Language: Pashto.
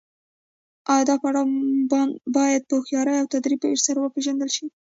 دا پړاو باید په هوښیارۍ او تدبیر سره وپیژندل شي.